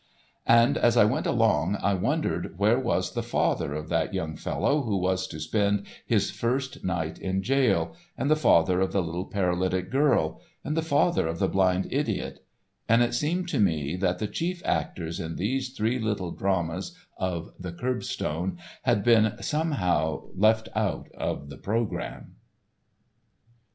And as I went along I wondered where was the father of that young fellow who was to spend his first night in jail, and the father of the little paralytic girl, and the father of the blind idiot, and it seemed to me that the chief actors in these three Little Dramas of the Curbstone had been somehow left out of the programme.